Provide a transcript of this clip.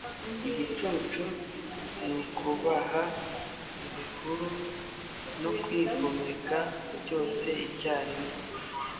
igicucu ni ukubaha, ibihuru, no kwigomeka - byose icyarimwe